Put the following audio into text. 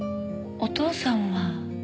お父さんは。